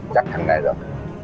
chắc thằng này rồi